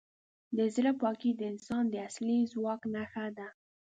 د زړه پاکي د انسان د اصلي ځواک نښه ده.